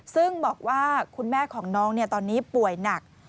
ซึ่งบอกว่าคุณแม่ของน้องตอนนี้ป่วยหนัก